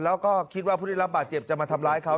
แล้วก็คิดว่าผู้ได้รับบาดเจ็บจะมาทำร้ายเขา